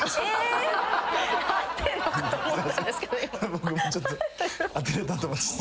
僕もちょっと当てれたと。